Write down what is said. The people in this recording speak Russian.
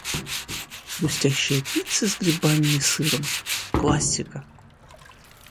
Хрустящая пицца с грибами и сыром - классика.